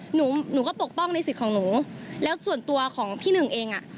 หนูหนูก็ปกป้องในสิทธิ์ของหนูแล้วส่วนตัวของพี่หนึ่งเองอ่ะ